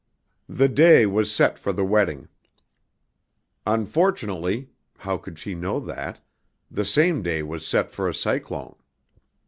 The day was set for the wedding. Unfortunately how could she know that? the same day was set for a cyclone.